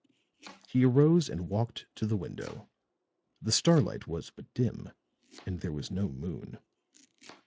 He arose and walked to the window; the starlight was but dim, and there was no moon.